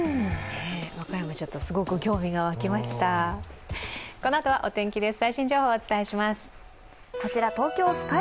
和歌山、すごく興味が湧きましたお天気です。